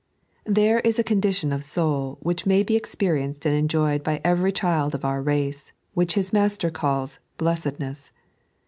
1 12.) THEBE is a condition of soul which may be ex perienced and enjoyed by every child of our race, which the Master calls Blessedness.